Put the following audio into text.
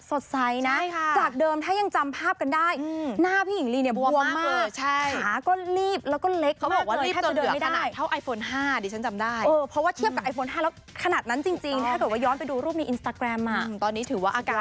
สดใสใช่ค่ะจากเดิมถ้ายังจำภาพกันได้อืม